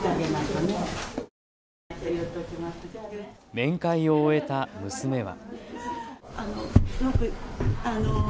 面会を終えた娘は。